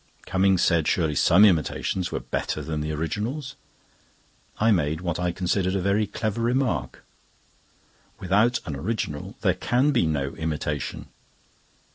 Cummings said surely some imitations were better than the originals. I made what I considered a very clever remark: "Without an original there can be no imitation."